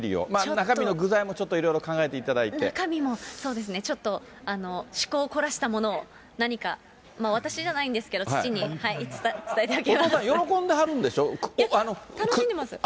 中身の具材もちょっといろいろ考中身もそうですね、ちょっと趣向を凝らしたものを何か、私じゃないんですけど、父にお父さん、楽しんでます。